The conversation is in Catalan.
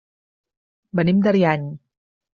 Venim d'Ariany.